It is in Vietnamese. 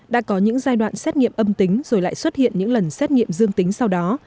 đã có những giai đoạn xét nghiệm âm tính rồi lại xuất hiện những lần xét nghiệm dương tính sau đó